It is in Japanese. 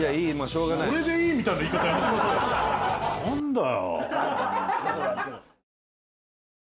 何だよ。